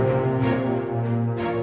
formasi yang mungkin